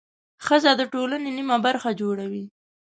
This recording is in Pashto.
ښځه د ټولنې نیمه برخه جوړوي.